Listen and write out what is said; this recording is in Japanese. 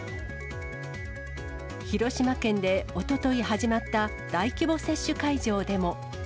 広島県でおととい始まった大規模接種会場でも。